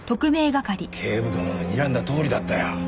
警部殿のにらんだとおりだったよ。